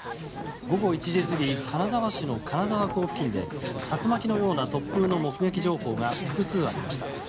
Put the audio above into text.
午後１時過ぎ金沢市の金沢港付近で竜巻のような突風の目撃情報が複数ありました。